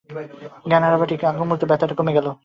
জ্ঞান হারাবার ঠিক আগমুহূর্তে ব্যথাটা কমে গেল।